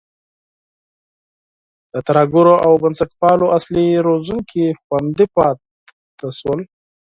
د ترهګرو او بنسټپالو اصلي روزونکي خوندي پاتې شول.